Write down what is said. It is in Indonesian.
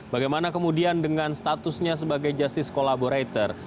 bagaimana kemudian dengan statusnya sebagai justice collaborator